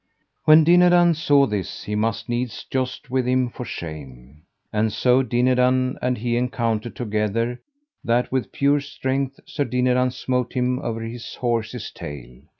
When Dinadan saw this, he must needs joust with him for shame. And so Dinadan and he encountered together, that with pure strength Sir Dinadan smote him over his horse's tail.